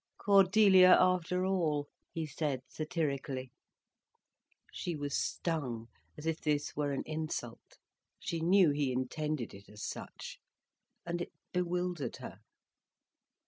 "Cordelia after all," he said satirically. She was stung, as if this were an insult. She knew he intended it as such, and it bewildered her.